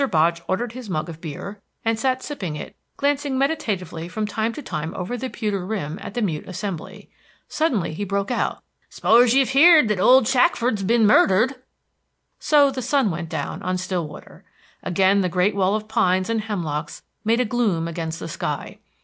Bodge ordered his mug of beer, and sat sipping it, glancing meditatively from time to time over the pewter rim at the mute assembly. Suddenly he broke out: "S'pose you've heerd that old Shackford's ben murdered." So the sun went down on Stillwater. Again the great wall of pines and hemlocks made a gloom against the sky.